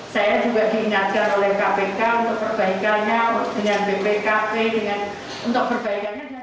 saya juga diingatkan oleh kpk untuk perbaikannya